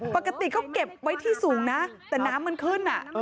ปกติเขาเก็บไว้ที่สูงนะแต่น้ำมันขึ้น